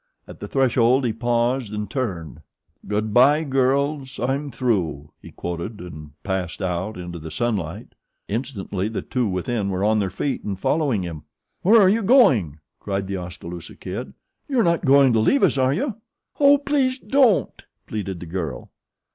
At the threshold he paused and turned. "'Good bye girls! I'm through,'" he quoted and passed out into the sunlight. Instantly the two within were on their feet and following him. "Where are you going?" cried The Oskaloosa Kid. "You're not going to leave us, are you?" "Oh, please don't!" pleaded the girl.